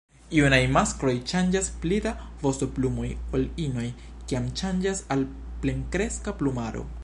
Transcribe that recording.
Junaj maskloj ŝanĝas pli da vostoplumoj ol inoj kiam ŝanĝas al plenkreska plumaro.